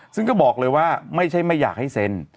ซึ่งก็บอกเลยว่าไม่ใช่ไม่อยากให้เซ็น